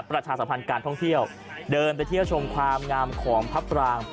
ประชาสัมพันธ์การท่องเที่ยวเดินไปเที่ยวชมความงามของพระปราง